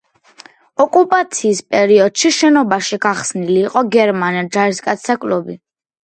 ოკუპაციის პერიოდში შენობაში გახსნილი იყო გერმანელ ჯარისკაცთა კლუბი.